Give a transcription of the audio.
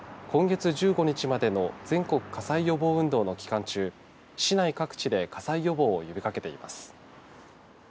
薩摩川内市消防局は今月１５日までの全国火災予防運動の期間中市内各地で火災予防を呼びかけています。